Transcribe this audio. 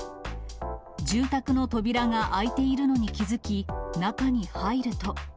住宅の扉が開いているのに気付き、中に入ると。